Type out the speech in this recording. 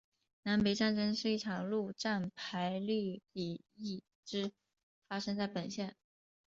南北战争第一场陆战腓立比之役发生在本县。